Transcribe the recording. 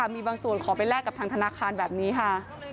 มีบางส่วนขอไปแลกกับทางธนาคารแบบนี้ค่ะ